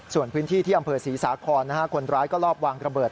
ส่วนพื้นที่ที่อำเภอศรีสาครคนร้ายก็รอบวางระเบิด